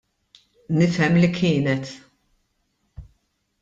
Nifhem li kienet.